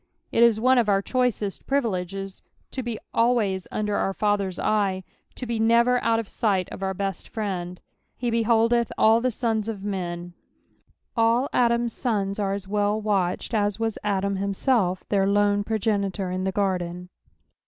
Qt^ia one of our choicest privileges to be alwajH under our Father's eye, to be never out of sight of our best Friend.^ " H» behMiUth tdl ikt tout of men.'' AH Adam's sons are as well watched^ was Adam himself, their lone progenitor in the ffordcn.